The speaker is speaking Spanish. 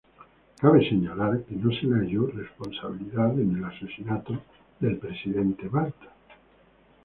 Cabe señalar que no se le halló responsabilidad en el asesinato del presidente Balta.